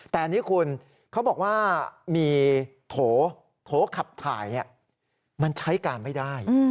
แต่อันนี้คุณเขาบอกว่ามีโถขับถ่ายมันใช้การไม่ได้